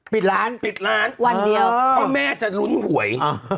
ปิดร้านเพราะแม่จะลุ้นหวย